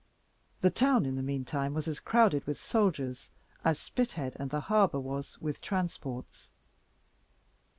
The town in the meantime was as crowded with soldiers as Spithead and the harbour was with transports.